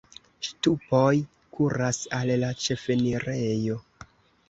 Ŝtupoj kuras al la ĉefenirejo.